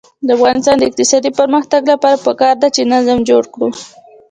د افغانستان د اقتصادي پرمختګ لپاره پکار ده چې نظم جوړ کړو.